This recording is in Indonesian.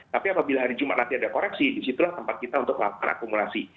tapi apabila hari jumat nanti ada koreksi disitulah tempat kita untuk melakukan akumulasi